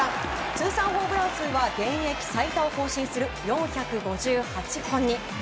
通算ホームラン数は現役最多を更新する４５８本に。